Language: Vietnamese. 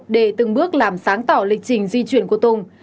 để từng bước làm sáng tỏ lịch trình di chuyển của tùng